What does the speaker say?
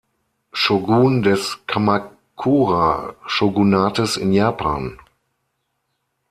Shōgun des Kamakura-Shōgunates in Japan.